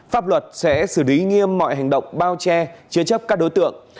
pháp luật sẽ xử lý nghiêm mọi hành động bao che chế chấp các đối tượng